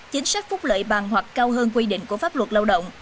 chính sách phúc lợi bằng hoặc cao hơn quy định của pháp luật lao động